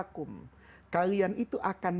kalian itu akan